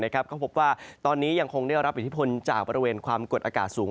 ก็พบว่าตอนนี้ยังคงได้รับอิทธิพลจากบริเวณความกดอากาศสูง